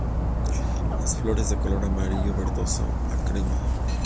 Las flores de color amarillo verdoso a crema.